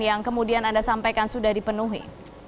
yang kemudian anda sampaikan sudah dipenuhi